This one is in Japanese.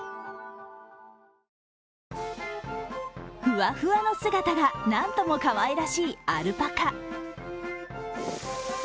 ふわふわの姿がなんともかわいらしいアルパカ。